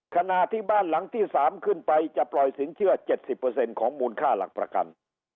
ขณะที่บ้านหลังที่๓ขึ้นไปจะปล่อยสินเชื่อ๗๐ของมูลค่าหลักประกัน